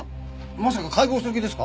まさか解剖する気ですか？